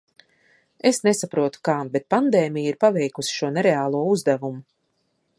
Es nesaprotu, kā, bet pandēmija ir paveikusi šo nereālo uzdevumu.